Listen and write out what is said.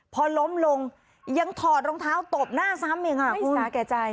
พอล้มลงยังถอดรองเท้าตบหน้าซ้ำอย่างนี้คุณ